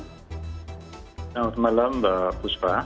selamat malam mbak fusfa